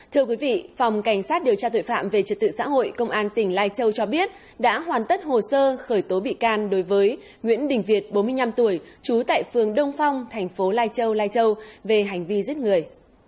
thưa quý vị phòng cảnh sát điều tra tội phạm về trật tự xã hội công an tỉnh lai châu cho biết đã hoàn tất hồ sơ khởi tố bị can đối với nguyễn đình việt bốn mươi năm tuổi trú tại phường đông phong thành phố lai châu lai châu về hành vi giết người